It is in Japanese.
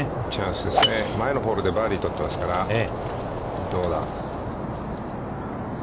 前のホールでバーディーを取ってますから、どうだ？